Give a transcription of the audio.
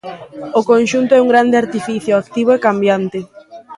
O conxunto é un grande artificio activo e cambiante.